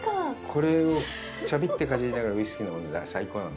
これをちょびっとかじりながらウイスキーを飲むのが最高なの。